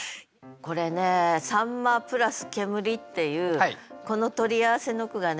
これね「秋刀魚」＋「煙」っていうこの取り合わせの句がね